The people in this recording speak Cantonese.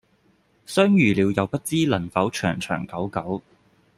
相遇了又不知能否長長久久